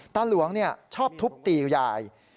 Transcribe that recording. หลวงชอบทุบตียาย